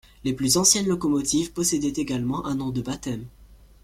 Les plus anciennes locomotives possédaient également un nom de baptême.